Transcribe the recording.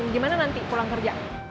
gimana nanti pulang kerja